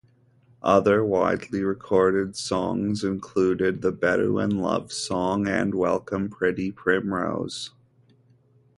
Other widely recorded songs included the "Bedouin love song" and "Welcome, pretty primrose".